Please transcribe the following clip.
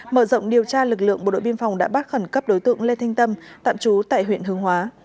mở rộng điều tra lực lượng bộ đội biên phòng đã bắt khẩn cấp đối tượng lê thanh tâm tạm trú tại huyện hương hóa